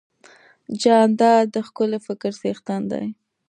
جانداد د ښکلي فکر څښتن دی.